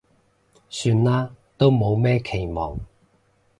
算啦，都冇咩期望